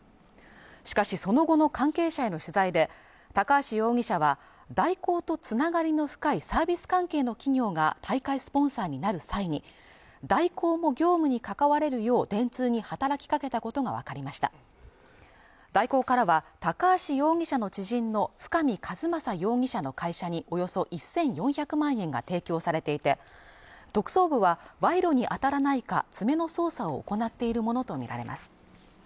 しかしその後の関係者への取材で高橋容疑者は大広とつながりの深いサービス関係の企業が大会スポンサーになる際に大広も業務にかかわれるよう電通に働きかけたことが分かりました大広からは高橋容疑者の知人の深見和政容疑者の会社におよそ１４００万円が提供されていて特捜部は賄賂に当たらないか詰めの捜査を行っているものと見られます